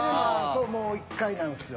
そう１回なんですよ。